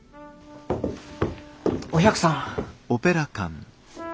お百さん。